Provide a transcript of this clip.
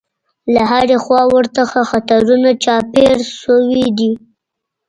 له هرې خوا ورڅخه خطرونه چاپېر شوي دي.